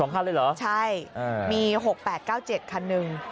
คันเลยเหรอใช่มี๖๘๙๗คันหนึ่ง